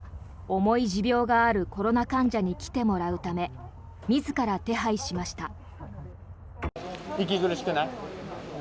水野院長が重い持病があるコロナ患者に来てもらうため自ら手配しました。